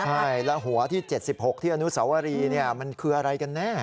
ใช่แล้วหัวที่๗๖ที่อนุสวรีมันคืออะไรกันแน่